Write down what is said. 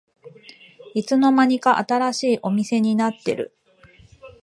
いつの間にか新しいお店になってる